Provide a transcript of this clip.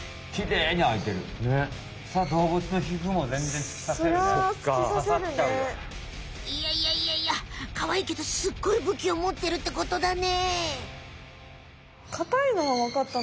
いやいやいやいやカワイイけどすっごい武器をもってるってことだね。